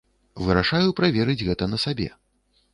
Вырашаю праверыць гэта на сабе.